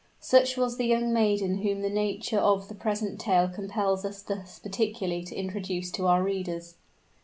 Such was the young maiden whom the nature of the present tale compels us thus particularly to introduce to our readers.